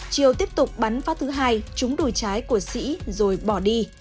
triều tiếp tục bắn phá thứ hai trúng đùi trái của sĩ rồi bỏ đi